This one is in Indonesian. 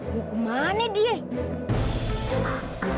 mau ke mana dia